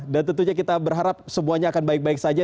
dan tentunya kita berharap semuanya akan baik baik saja